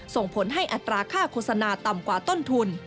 ส่งผลให้อัตราค่าโฆษณาต่ำกว่าต้นทุน